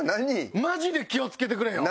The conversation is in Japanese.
マジで気を付けてくれよ。